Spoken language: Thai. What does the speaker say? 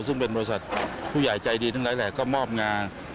ซึ่งเป็นบริษัทผู้ใหญ่ใจดีทั้งหลายแหละก็มอบงาน